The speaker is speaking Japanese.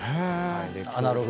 アナログ？